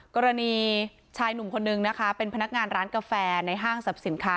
กรณีชายหนุ่มคนนึงนะคะเป็นพนักงานร้านกาแฟในห้างสรรพสินค้า